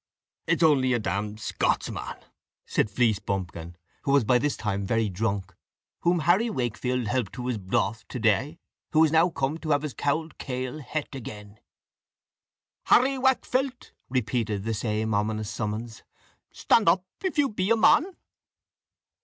"It is only a d d Scotsman," said Fleecebumpkin, who was by this time very drunk, "whom Harry Wakefield helped to his broth to day, who is now come to have his cauld kail het again." "Harry Waakfelt," repeated the same ominous summons, "stand up, if you be a man."